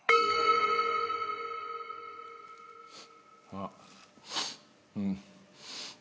あっうん。